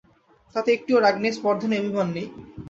তাতে একটুও রাগ নেই, স্পর্ধা নেই, অভিমান নেই।